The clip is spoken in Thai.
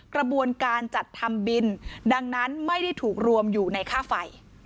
กระบวนการจัดทำบินดังนั้นไม่ได้ถูกรวมอยู่ในค่าไฟ